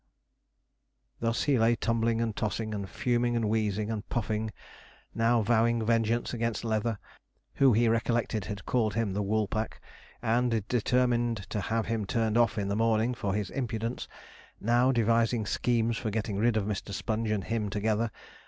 Thus he lay tumbling and tossing, and fuming and wheezing and puffing, now vowing vengeance against Leather, who he recollected had called him the 'Woolpack,' and determining to have him turned off in the morning for his impudence now devising schemes for getting rid of Mr. Sponge and him together.